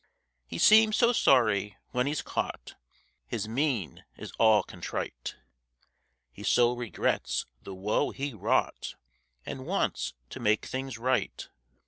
He seems so sorry when he's caught; His mien is all contrite; He so regrets the woe he wrought, And wants to make things right.